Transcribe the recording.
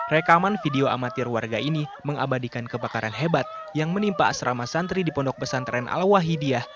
rekaman video amatir warga ini mengabadikan kebakaran hebat yang menimpa asrama santri di pondok pesantren al wahidiyah